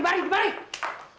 dimari dimari dimari